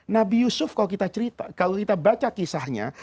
nabi yusuf kalau kita baca kisahnya